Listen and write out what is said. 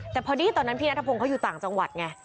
แต่พอดีตอนนั้นพี่นัทพงศ์เขาอยู่ต่างจังหวัดไง